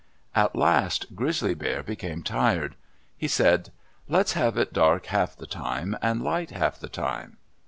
At last Grizzly Bear became tired. He said, "Let's have it dark half the time, and light half the time."